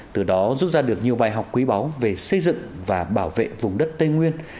từ đó rút ra được nhiều bài học quý báu về xây dựng và bảo vệ vùng đất tây nguyên